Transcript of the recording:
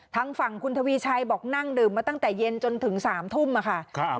ทางฝั่งคุณทวีชัยบอกนั่งดื่มมาตั้งแต่เย็นจนถึง๓ทุ่มค่ะ